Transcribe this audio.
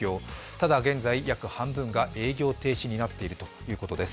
ただ、現在、約半分が営業停止になっているということです。